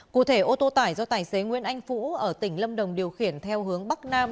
cụ thể ô tô tải do tài xế nguyễn anh vũ ở tỉnh lâm đồng điều khiển theo hướng bắc nam